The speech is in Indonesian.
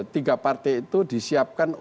tiga partai itu disiapkan